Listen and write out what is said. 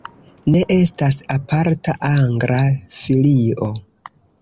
Ne estas aparta angla filio.